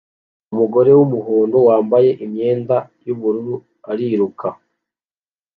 Umugore wumuhondo wambaye imyenda yubururu ariruka